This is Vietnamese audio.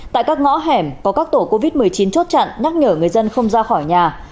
tại các ngõ hẻm có các tổ covid một mươi chín chốt chặn nhắc nhở người dân không ra khỏi nhà